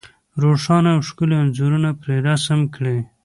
روښانه او ښکلي انځورونه پرې رسم کړي.